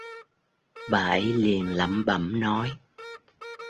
bà ấy liền lẩm bẩm nói